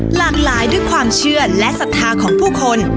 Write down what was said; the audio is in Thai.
หลากหลายด้วยความเชื่อและศรัทธาของผู้คน